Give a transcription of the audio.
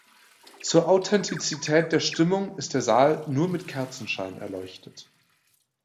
Zur Authentizität der Stimmung ist der Saal nur mit Kerzenschein erleuchtet.